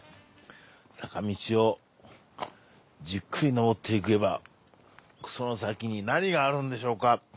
坂道をじっくり上っていけばその先に何があるんでしょうか。